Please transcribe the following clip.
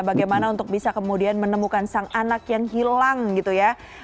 bagaimana untuk bisa kemudian menemukan sang anak yang hilang gitu ya